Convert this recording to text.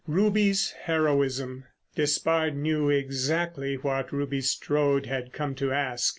RUBY'S HEROISM. Despard knew exactly what Ruby Strode had come to ask.